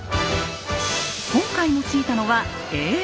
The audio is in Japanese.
今回用いたのはＡＩ。